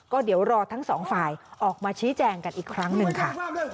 ก็เดี๋ยวรอทั้งสองฝ่ายออกมาชี้แจงกันอีกครั้งหนึ่งค่ะ